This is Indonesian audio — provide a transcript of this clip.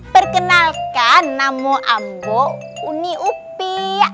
perkenalkan nama ambo uni upi